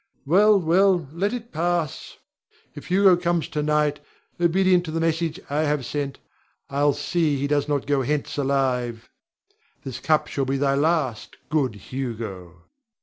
Well, well, let it pass! If Hugo comes to night, obedient to the message I have sent, I'll see he goes not hence alive. This cup shalt be thy last, good Hugo!